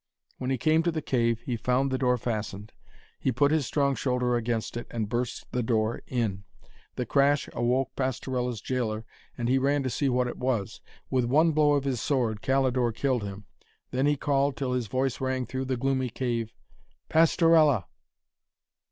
When he came to the cave, he found the door fastened. He put his strong shoulder against it, and burst the door in. The crash awoke Pastorella's gaoler, and he ran to see what it was. With one blow of his sword Calidore killed him. Then he called, till his voice rang through the gloomy cave, '_Pastorella!